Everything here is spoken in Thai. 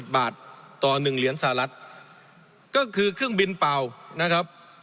บาทต่อ๑เหรียญสหรัฐก็คือเครื่องบินเปล่านะครับ